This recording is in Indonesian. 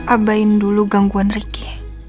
abahin dulu gangguan riki